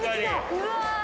うわ！